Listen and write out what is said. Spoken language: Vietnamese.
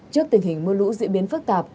trước tình hình mưa lũ diễn biến phức tạp